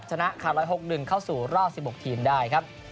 ชนะขาด๑๖๑เข้าสู่รอบ๑๖ทีมได้ครับ